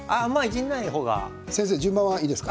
先生順番はいいですか？